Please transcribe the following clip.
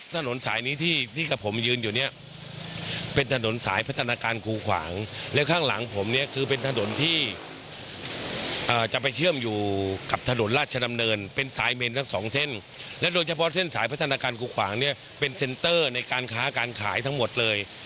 ถนนสายนี้ที่กับผมยืนอยู่เนี่ยเป็นถนนสายพัฒนาการกูขวางแล้วข้างหลังผมเนี่ยคือเป็นถนนที่จะไปเชื่อมอยู่กับถนนราชดำเนินเป็นสายเมนทั้งสองเส้นและโดยเฉพาะเส้นสายพัฒนาการกูขวางเนี่ยเป็นเซ็นเตอร์ในการค้าการขายทั้งหมดเลย